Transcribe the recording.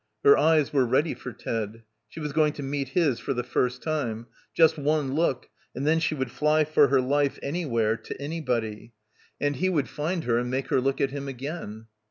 Her eyes were ready for Ted. She was going to meet his for the first time — just one look, and then she would fly for her life anywhere, to anybody. And he would find her and make her look at him again.